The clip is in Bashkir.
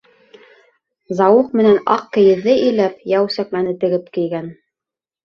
Зауыҡ менән аҡ кейеҙҙе иләп, яу сәкмәне тегеп кейгән.